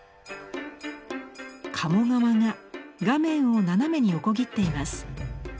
鴨川が画面を斜めに横切っています。